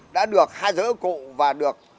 đã được hai giữa cụ và được